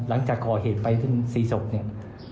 หลังจากก่อเหตุไปถึง๔ศพเนี่ย